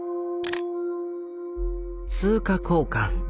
通貨交換。